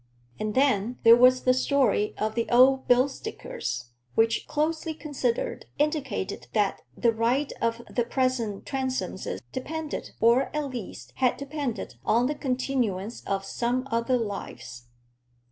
And then, there was that story of the old bill sticker's, which, closely considered, indicated that the right of the present Transomes depended, or, at least, had depended on the continuance of some other lives.